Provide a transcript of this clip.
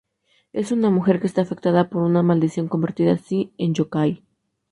Es una mujer que está afectada por una maldición convertida así, en Yōkai.